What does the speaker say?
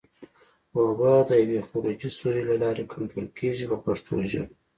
اوبه د یوې خروجي سوري له لارې کنټرول کېږي په پښتو ژبه.